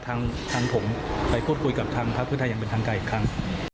ทางผมไปพูดคุยกับทางภาคเพื่อไทยอย่างเป็นทางการอีกครั้ง